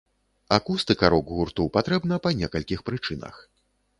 Акустыка рок-гурту патрэбна па некалькіх прычынах.